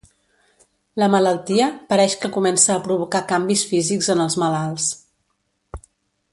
La malaltia pareix que comença a provocar canvis físics en els malalts.